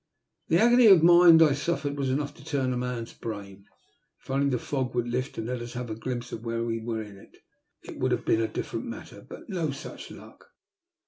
The agony of mind I suffered was enough to turn a man's brain. If only the fog would lift and let us have a glimpse of where we were, it would have been a different matter, but no such luck.